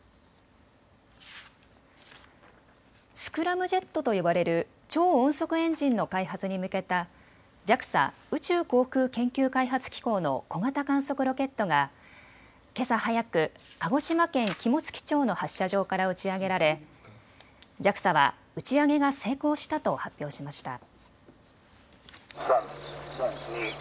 スクラムジェットと呼ばれる超音速エンジンの開発に向けたＪＡＸＡ・宇宙航空研究開発機構の小型観測ロケットがけさ早く、鹿児島県肝付町の発射場から打ち上げられＪＡＸＡは打ち上げが成功したと発表しました。